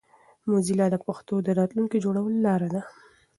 موزیلا د پښتو د راتلونکي جوړولو لاره ده.